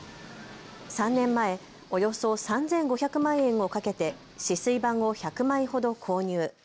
３年前、およそ３５００万円をかけて止水板を１００枚ほど購入。